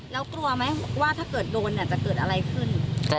แล้วกลัวไหมว่าถ้าเกิดโดนเนี่ยจะเกิดอะไรขึ้น